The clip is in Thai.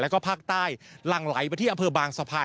แล้วก็ภาคใต้หลังไหลไปที่อำเภอบางสะพาน